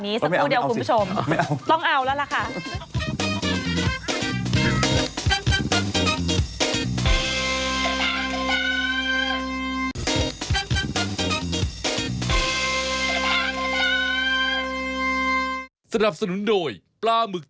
พี่หนุ่มต้องเป็นคนเล่าข่าวนี้สักครู่เดียวคุณผู้ชม